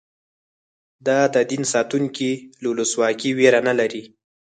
د دین ساتونکي له ولسواکۍ وېره نه لري.